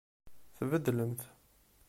Tbeddlemt.